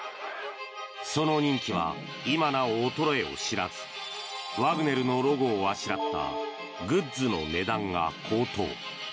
その人気は今なお衰えを知らずワグネルのロゴをあしらったグッズの値段が高騰。